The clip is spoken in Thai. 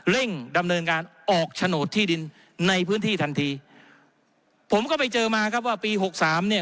ดำเนินการออกโฉนดที่ดินในพื้นที่ทันทีผมก็ไปเจอมาครับว่าปีหกสามเนี่ย